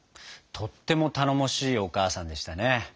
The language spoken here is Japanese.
とっても頼もしいお母さんでしたね。